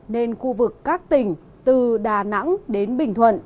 nên khu vực các tỉnh từ đà nẵng đến bình thuận